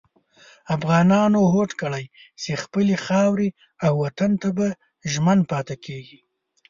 افغانانو هوډ کړی چې خپلې خاورې او وطن ته به ژمن پاتې کېږي.